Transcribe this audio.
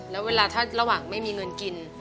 แล้วเวลาถ้าระหว่างไม่มีเงินกิน